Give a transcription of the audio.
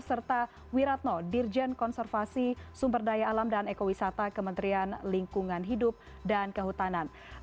serta wiratno dirjen konservasi sumber daya alam dan ekowisata kementerian lingkungan hidup dan kehutanan